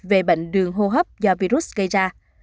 về bệnh đường hô hấp do virus gây ra